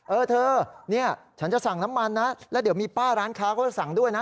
เออเธอเนี่ยฉันจะสั่งน้ำมันนะแล้วเดี๋ยวมีป้าร้านค้าก็สั่งด้วยนะ